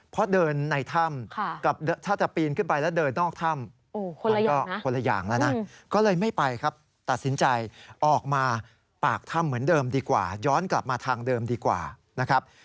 เพราะเดินในถ้ำถ้าจะปีนขึ้นไปแล้วเดินนอกถ้ำมันก็คนละอย่างแล้วนะก็เลยไม่ไปครับตัดสินใจออกมาปากถ้ำเหมือนเดิมดีกว่าย้อนกลับมาทางเดิมดีกว่านะครับ